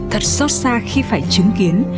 thật xót xa khi phải chứng kiến